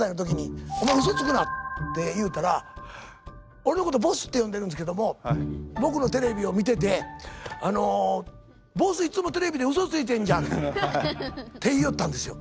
「お前ウソつくな」って言うたら俺のことボスって呼んでるんですけども僕のテレビを見てて「ボスいつもテレビでウソついてんじゃん」って言いよったんですよ。